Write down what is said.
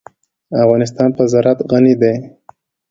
افغانستان په زراعت غني دی.